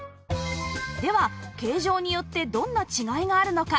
では形状によってどんな違いがあるのか？